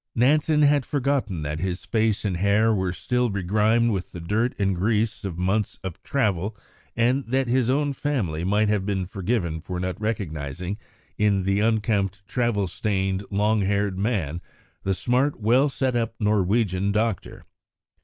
] Nansen had forgotten that his face and hair were still begrimed with the dirt and grease of months of travel, and that his own family might have been forgiven for not recognising in the unkempt, travel stained, long haired man, the smart, well set up Norwegian doctor.